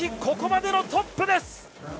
ここまでのトップです！